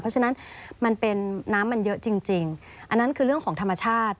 เพราะฉะนั้นมันเป็นน้ำมันเยอะจริงอันนั้นคือเรื่องของธรรมชาติ